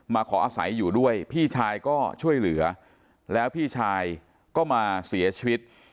ขออาศัยอยู่ด้วยพี่ชายก็ช่วยเหลือแล้วพี่ชายก็มาเสียชีวิต